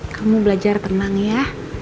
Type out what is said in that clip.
kamu belajar tenang ya